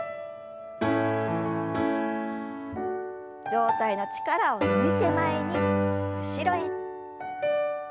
上体の力を抜いて前に後ろへ。